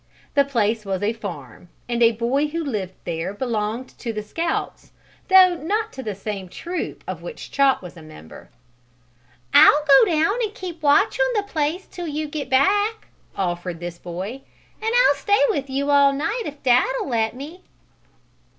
The place was a farm, and a boy who lived there belonged to the Scouts, though not to the same troop of which Chot was a member. "I'll go down and keep watch on the place 'till you get back," offered this boy. "And I'll stay with you all night, if dad'll let me."